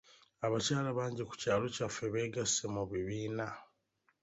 Abakyala bangi ku kyalo kyaffe beegasse mu bibiina.